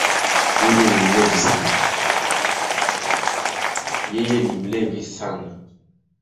Yeye ni mlevi sana